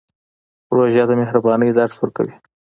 روژه د مهربانۍ درس ورکوي.